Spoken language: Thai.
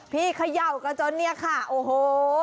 พี่เขย่าก็จนเนี่ยค่ะโอ้โฮ